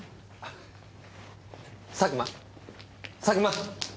佐久間佐久間！